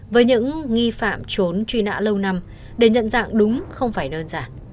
với những nghi phạm trốn truy nã lâu năm để nhận dạng đúng không phải đơn giản